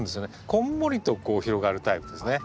こんもりとこう広がるタイプですね。